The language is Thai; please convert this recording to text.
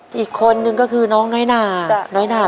เหนื่อยครับหายใจไม่ทันครับ